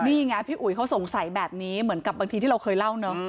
นี่ไงพี่อุ๋ยเขาสงสัยแบบนี้เหมือนกับบางทีที่เราเคยเล่าเนอะ